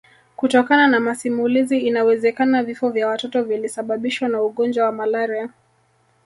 Kutokana na masimulizi inawezekana vifo vya watoto vilisababishwa na ugonjwa wa malaria